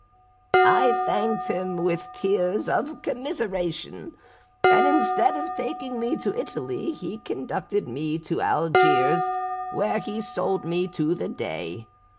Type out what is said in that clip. _' "I thanked him with tears of commiseration; and instead of taking me to Italy he conducted me to Algiers, where he sold me to the Dey.